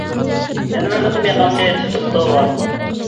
يەنە بىر قېتىم ياقامنى تۇتۇپ توۋا!